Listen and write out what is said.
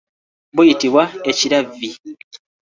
Buyitibwa ekiravvi.